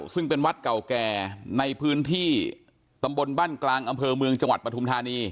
ซึ่งเป็นวัดเก่าแก่ในพื้นที่ตำบลบ้านกลางอำเภอเมืองจังหวัดปฐุมธานี